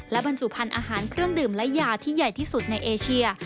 บรรจุพันธุ์อาหารเครื่องดื่มและยาที่ใหญ่ที่สุดในเอเชีย